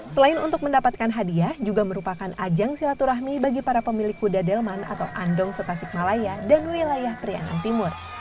selain untuk mendapatkan hadiah juga merupakan ajang silaturahmi bagi para pemilik kuda delman atau andong setasikmalaya dan wilayah prianan timur